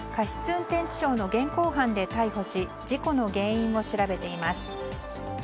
運転致傷の現行犯で逮捕し事故の原因を調べています。